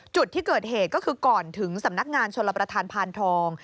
จุดที่เกิดเหตุก็คือก่อนถึงสำนักงานชนรับประทานพานทอง